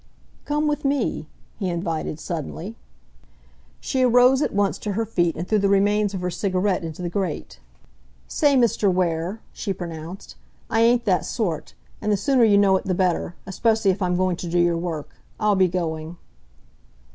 "Come with me," he invited suddenly. She arose at once to her feet and threw the remains of her cigarette into the grate. "Say, Mr. Ware," she pronounced, "I ain't that sort, and the sooner you know it the better, especially if I'm going to do your work. I'll be going."